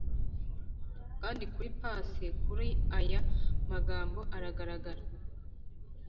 kandi kuri pase kuri aya magambo aragaragara: